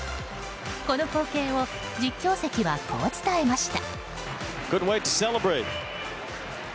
この光景を、実況席はこう伝えました。